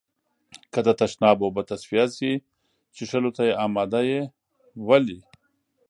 که د تشناب اوبه تصفيه شي، څښلو ته يې آماده يئ؟ ولې؟